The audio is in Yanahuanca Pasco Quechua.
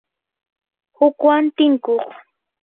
hukwan tinkuq